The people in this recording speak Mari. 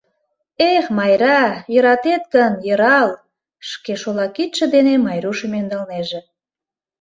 — Эх, Майра, йӧратет гын, йӧрал! — шке шола кидше дене Майрушым ӧндалнеже.